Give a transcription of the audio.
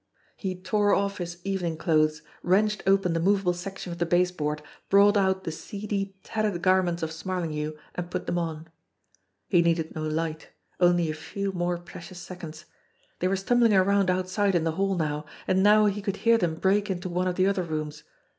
He tore off his evening clothes, wrenched open the movable section of the baseboard, brought out the seedy, tattered garments of Smarlinghue, and put them on. He needed no light only a few more precious seconds. They were stumbling around outside in the hall now; and THE HOUSE WITH THE BROKEN STAIRS 99 now he could hear them break into one of the other rooms.